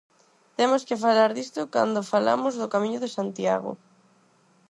Temos que falar disto cando falamos do Camiño de Santiago.